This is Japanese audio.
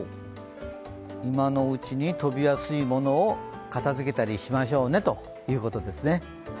今のうちに飛びやすいものを片づけたりしましょうねということですね。